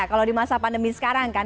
kalau di masa pandemi sekarang kan